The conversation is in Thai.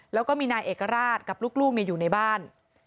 แล้วก็มีนายเอกราชกับลูกอยู่ในบ้าน